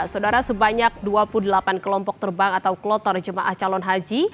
saudara sebanyak dua puluh delapan kelompok terbang atau kloter jemaah calon haji